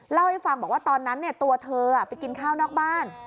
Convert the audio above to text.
เล่าให้ฟังบอกว่าตอนนั้นตัวเธอไปกินข้าวนอกบ้าน